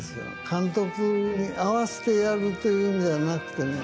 監督に合わせてやるというんではなくてね。